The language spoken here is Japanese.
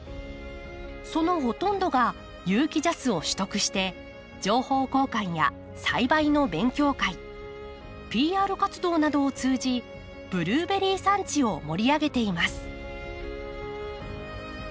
そのほとんどが有機ＪＡＳを取得して情報交換や栽培の勉強会ＰＲ活動などを通じブルーベリー産地を盛り上げています。